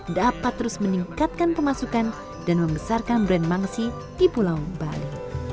dapat terus meningkatkan pemasukan dan membesarkan brand mangsi di pulau bali